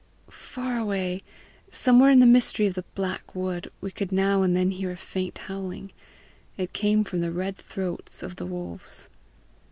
Far away, somewhere in the mystery of the black wood, we could now and then hear a faint howling: it came from the red throats of the wolves."